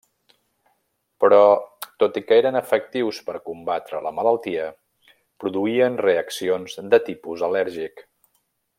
Però, tot i que eren efectius per combatre la malaltia, produïen reaccions de tipus al·lèrgic.